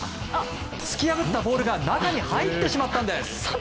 突き破って、ボールが中に入ってしまったんです。